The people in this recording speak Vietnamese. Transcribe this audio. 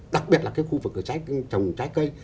đặc biệt là cái khu vực trồng trái cây